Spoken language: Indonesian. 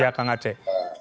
ya kang aceh